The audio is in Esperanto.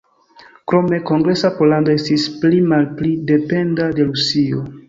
Krome Kongresa Pollando estis pli-malpli dependa de Rusujo.